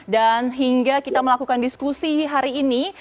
dan hingga kita melakukan diskusi hari ini